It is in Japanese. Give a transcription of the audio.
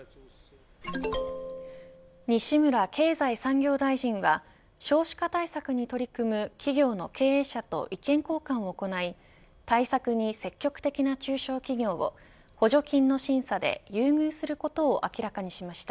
西村経済産業大臣が少子化対策に取り組む企業の経営者と意見交換を行い対策に積極的な中小企業を補助金の審査で優遇することを明らかにしました。